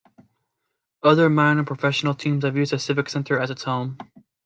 Other minor professional teams have used the Civic Center as its home.